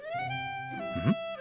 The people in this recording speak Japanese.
うん？